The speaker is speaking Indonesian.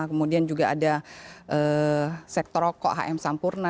kemudian juga ada sektor rokok hm sampurna